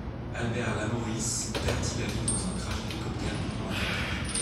Albert Lamorisse perdit la vie dans un crash d'hélicoptère pendant le tournage.